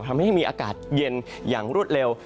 ทำให้มีอากาศเย็นอย่างรวดเร็ว